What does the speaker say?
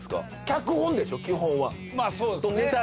脚本でしょ基本は？とネタ